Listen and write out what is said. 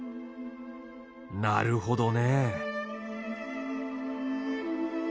なるほどね。